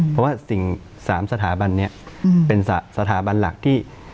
เพราะว่าสิ่ง๓สถาบันนี้เป็นสถาบันหลักที่